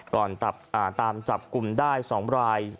ก่อนตับอ่าตามจับกลุ่มได้สองราย